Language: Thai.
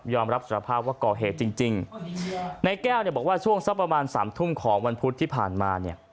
รับสารภาพว่าก่อเหตุจริงจริงในแก้วเนี่ยบอกว่าช่วงสักประมาณสามทุ่มของวันพุธที่ผ่านมาเนี่ย